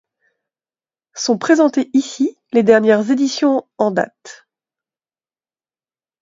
Sont présentées ici les dernières éditions en date.